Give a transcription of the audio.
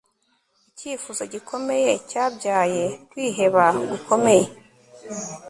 icyifuzo gikomeye cyabyaye kwiheba gukomeye